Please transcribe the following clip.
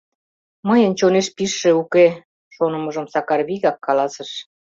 Мыйын чонеш пижше уке, — шонымыжым Сакар вигак каласыш.